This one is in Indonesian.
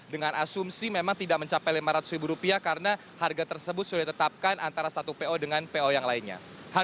dengan asumsi memang tidak mencapai rp lima ratus ribu rupiah karena harga tersebut sudah ditetapkan antara satu po dengan po yang lainnya